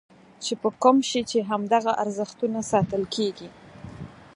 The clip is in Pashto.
چې په کوم شي چې همدغه ارزښتونه ساتل کېږي.